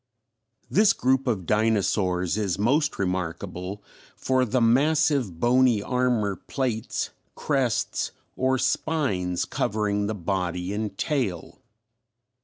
_ This group of dinosaurs is most remarkable for the massive bony armor plates, crests or spines covering the body and tail.